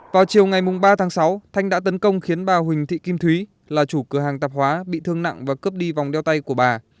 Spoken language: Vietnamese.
vào chiều ngày ba tháng sáu thanh đã tấn công khiến bà huỳnh thị kim thúy là chủ cửa hàng tạp hóa bị thương nặng và cướp đi vòng đeo tay của bà